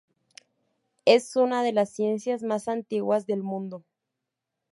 Es una de las ciencias más antiguas del mundo.